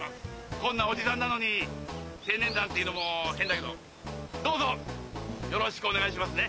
こんなおじさんなのに青年団っていうのも変だけどどうぞよろしくお願いしますね。